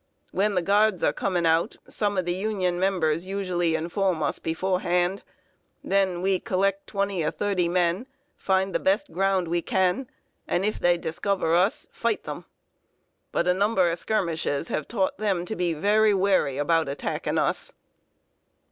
When the Guards are coming out, some of the Union members usually inform us beforehand; then we collect twenty or thirty men, find the best ground we can, and, if they discover us, fight them. But a number of skirmishes have taught them to be very wary about attacking us."